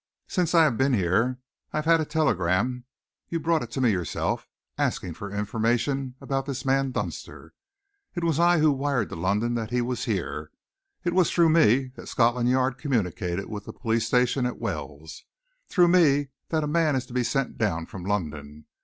Since I have been here, I have had a telegram you brought it to me yourself asking for information about this man Dunster. It was I who wired to London that he was here. It was through me that Scotland Yard communicated with the police station at Wells, through me that a man is to be sent down from London.